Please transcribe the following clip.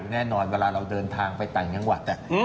แน่นอนเวลาเราเดินทางไปต่างจังหวัด